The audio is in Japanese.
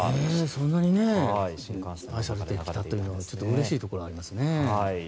そんなに長くできたというのは、ちょっとうれしいところがありますね。